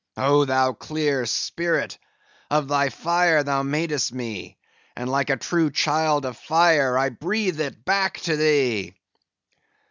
Oh, thou clear spirit, of thy fire thou madest me, and like a true child of fire, I breathe it back to thee."